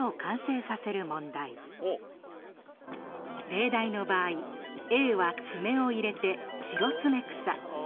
例題の場合Ａは「つめ」を入れて「白詰草」。